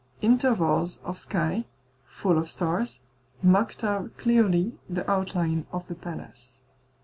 Intervals of sky, full of stars, marked out clearly the outline of the palace.